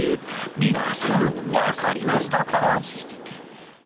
皆さんわかりましたか？